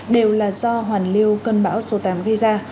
đều là do hoàn lưu cơn bão số tám gây ra